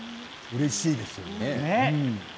うれしいですよ。